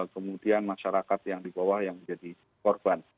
kemudian masyarakat yang di bawah yang menjadi korban